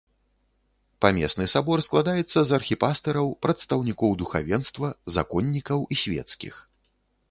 Памесны сабор складаецца з архіпастыраў, прадстаўнікоў духавенства, законнікаў і свецкіх.